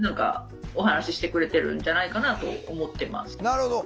なるほど。